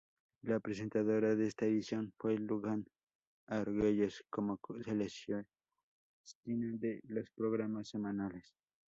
La presentadora de esta edición fue Luján Argüelles como celestina de los programas semanales.